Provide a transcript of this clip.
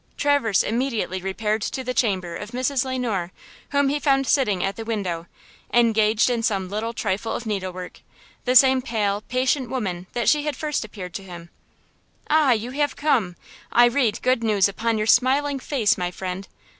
Traverse immediately repaired to the chamber of Mrs. Le Noir, whom he found sitting at the window, engaged in some little trifle of needlework, the same pale, patient woman that she had first appeared to him. "Ah, you have come! I read good news upon your smiling face, my friend!